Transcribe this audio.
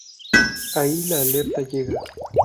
Ahí la alerta llega.